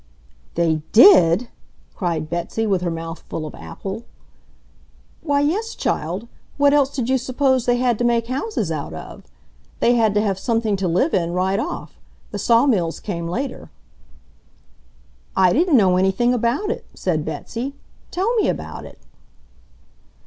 "They DID!" cried Betsy, with her mouth full of apple. "Why yes, child, what else did you suppose they had to make houses out of? They had to have something to live in, right off. The sawmills came later." "I didn't know anything about it," said Betsy. "Tell me about it."